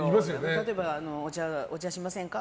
例えば、お茶しませんか？